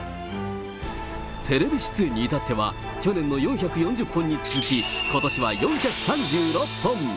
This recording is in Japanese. テレビ出演に至っては、去年の４４０本に続き、ことしは４３６本。